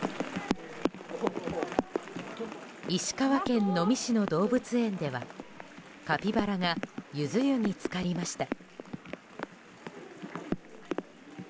石川県能美市の動物園ではカピバラがゆず湯に浸かりました。